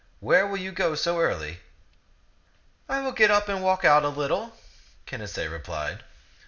Where will you go so early?" I will get up and walk out a little," Canacee replied.